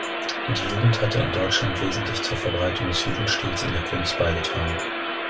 Die Jugend hatte in Deutschland wesentlich zur Verbreitung des Jugendstils in der Kunst beigetragen.